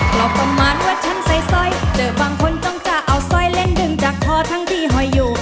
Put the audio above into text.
เพราะประมาณว่าฉันสร้อยเจอบางคนต้องจ้าเอาสร้อยเล่นดึงจากคอทั้งที่หอยอยู่